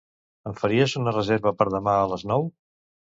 Em faries una reserva per demà a les nou?